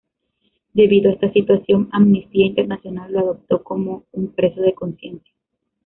Debido a esta situación, Amnistía Internacional lo adoptó como un "preso de conciencia".